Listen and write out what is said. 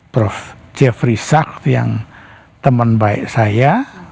prof jeffrey sak yang teman baik saya